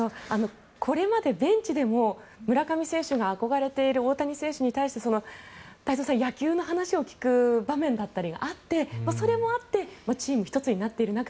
これまでベンチでも村上選手が憧れている大谷選手に対して太蔵さん、野球の話を聞く場面だったりがあってそれもあってチーム一つになっている中